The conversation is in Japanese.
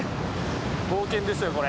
冒険ですよこれ。